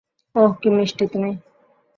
ওহ, কী মিষ্টি তুমি!